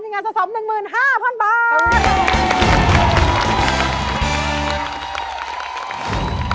ยังไงสะสม๑๕๐๐๐บาท